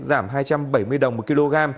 giảm hai trăm bảy mươi đồng một kg